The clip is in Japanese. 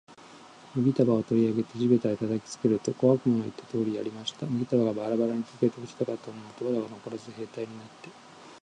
麦束を取り上げて地べたへ叩きつけると、小悪魔の言った通りやりました。麦束がバラバラに解けて落ちたかと思うと、藁がのこらず兵隊になって、